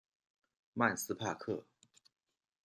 曼斯帕克。